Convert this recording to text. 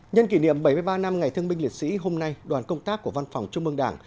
nhân kỷ niệm bảy mươi ba năm ngày thương binh liệt sĩ hôm nay đoàn công tác của văn phòng trung mương đảng